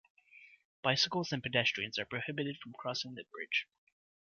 Bicycles and pedestrians are prohibited from crossing the bridge.